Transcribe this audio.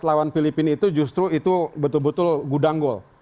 lawan filipina itu justru itu betul betul gudang gol